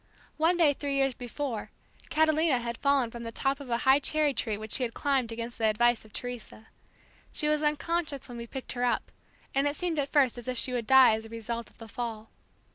One day three years before, Catalina had fallen from the top of a high cherry tree which she had climbed against the advice of Teresa. She was unconscious when we picked her up, and it seemed at first as if she would die as a result of the fall.